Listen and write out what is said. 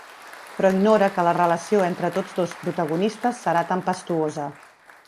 Però ignora que la relació entre tots dos protagonistes serà tempestuosa.